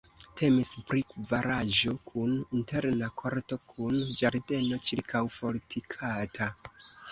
Temis pri kvaralaĵo kun interna korto kun ĝardeno ĉirkaŭfortikata.